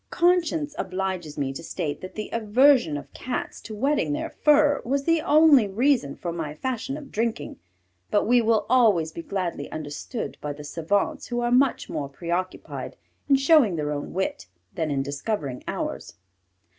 Conscience obliges me to state that the aversion of Cats to wetting their fur was the only reason for my fashion of drinking, but we will always be badly understood by the savants who are much more preoccupied in showing their own wit, than in discovering ours.